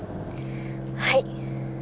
はい。